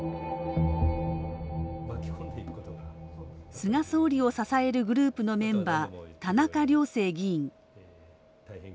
菅総理を支えるグループのメンバー、田中良生議員。